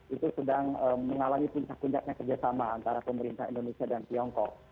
itu sedang mengalami puncak puncaknya kerjasama antara pemerintah indonesia dan tiongkok